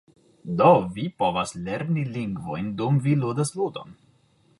Do, vi povas lerni lingvojn dum vi ludas ludon